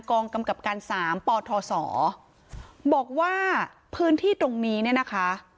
กองกำกับการสามปทศบอกว่าพื้นที่ตรงนี้เนี่ยนะคะ